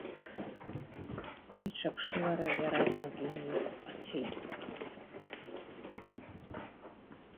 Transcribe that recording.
Иҿаԥшылара иаразнак инеиқәҟацеит.